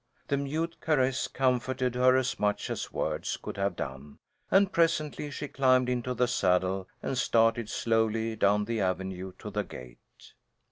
The mute caress comforted her as much as words could have done, and presently she climbed into the saddle and started slowly down the avenue to the gate.